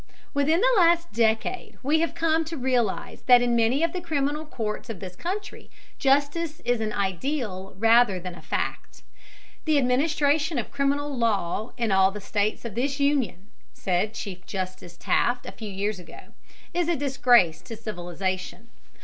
Within the last decade we have come to realize that in many of the criminal courts of this country justice is an ideal rather than a fact. "The administration of criminal law in all the states of this Union," said Chief Justice Taft a few years ago, "is a disgrace to civilization."